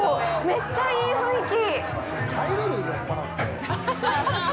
めっちゃいい雰囲気！